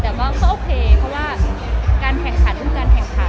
แต่ก็โอเคเพราะว่าการแข่งขันทุกการแข่งขัน